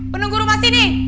penunggu rumah sini